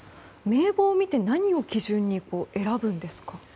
名簿を見て何を基準に選ぶんですか？